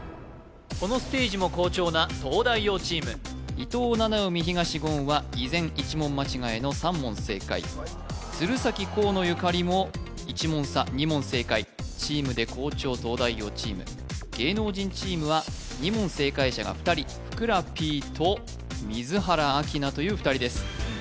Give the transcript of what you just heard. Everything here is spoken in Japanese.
このステージも好調な東大王チーム伊藤七海東言は依然１問間違えの３問正解鶴崎河野ゆかりも１問差２問正解チームで好調東大王チーム芸能人チームは２問正解者が２人ふくらＰと瑞原明奈という２人です